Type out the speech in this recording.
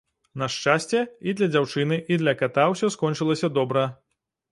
На шчасце, і для дзяўчыны, і для ката ўсё скончылася добра.